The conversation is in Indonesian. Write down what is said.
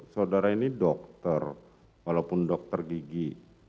saudara ini dokter walaupun dokter gigi